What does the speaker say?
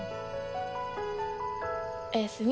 おやすみ。